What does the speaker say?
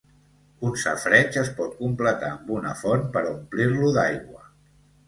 Un safareig es pot completar amb una font per a omplir-lo d'aigua.